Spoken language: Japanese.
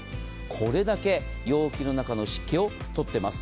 これだけ容器の中の湿気を取っています。